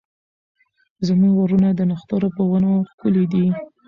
زموږ غرونه د نښترو په ونو ښکلي دي.